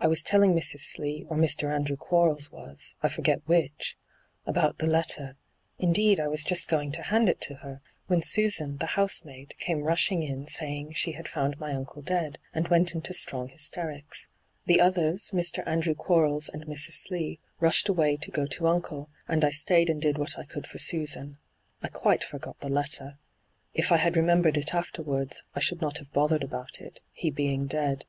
I was telling Mrs. Slee, or Mr. Andrew Quarles was — I foi^et which — about the letter — indeed, I was just going to hand it to her — when Susan, the housemaid, came rushing in saying she had found my uncle dead, and went into strong hysterics. The others, Mr. Andrew Quarles and Mrs. Slee, rushed away to go to uncle, and I stayed and did what I could for Susan ; I quite forgot the letter. If I had remembered it afterwards, I should not have bothered about it, he being dead.'